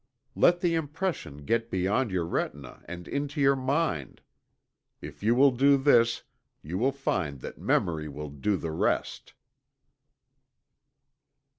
Let the impression get beyond your retina and into your mind. If you will do this, you will find that memory will "do the rest."